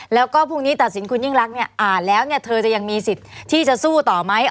แล้วก็พรุ่งนี้ตัดสินคุณยิ่งรักเนี่ยอ่านแล้วเนี่ยเธอจะยังมีสิทธิ์ที่จะสู้ต่อไหม